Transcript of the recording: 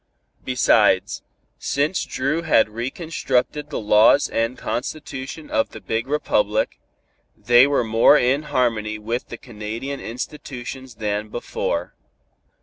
Besides, since Dru had reconstructed the laws and constitution of the big republic, they were more in harmony with the Canadian institutions than before.